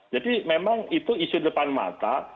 jadi memang itu isu depan mata